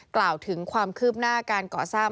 กล่าวถึงความคืบหน้าการก่อสร้าง